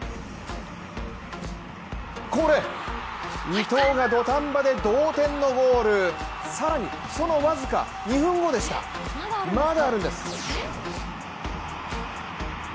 伊藤が土壇場で同点のゴール更にその僅か２分後でした、まだあるんです。